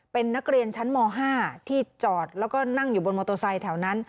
เป็นนักเรียนชั้นม๕ที่จอดแล้วก็นั่งอยู่บนมอเตอร์ไซค์แถวนั้น